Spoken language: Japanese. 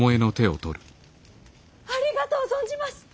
ありがとう存じます！